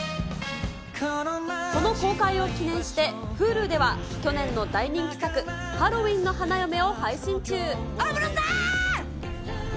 この公開を記念して、Ｈｕｌｕでは去年の大人気作、ハロウィンの安室さん！